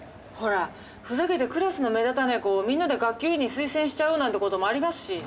ほらふざけてクラスの目立たない子をみんなで学級委員に推薦しちゃうなんてこともありますし。